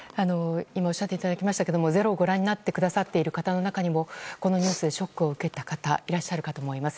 「ｚｅｒｏ」をご覧になってくださっている方の中にもこのニュースでショックを受けた方いらっしゃるかと思います。